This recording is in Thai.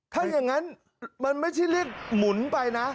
ถ้าอย่างนั้นมันไม่ใช่เรียกหมุนไปนะ